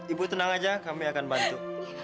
ibu tenang aja kami akan bantu